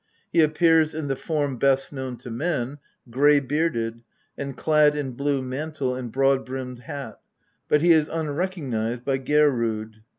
He appears in the form best known to men grey bearded, and clad in blue mantle and broad brimmed hat, but he is unrecognised by Geirrod.